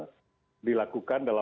kita punya proses yang sekarang